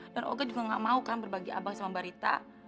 dan olga juga enggak mau kan berbagi abang sama barita